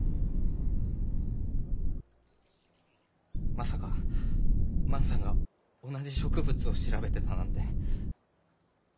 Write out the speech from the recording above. まさか万さんが同じ植物を調べてたなんて。